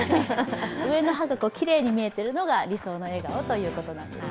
上の歯がきれいに見えてるのが理想の笑顔だそうです。